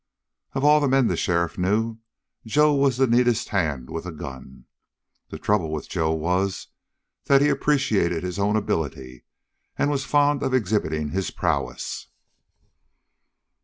Of all the men the sheriff knew, Joe was the neatest hand with a gun. The trouble with Joe was that he appreciated his own ability and was fond of exhibiting his prowess.